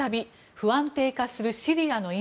不安定化するシリアの今。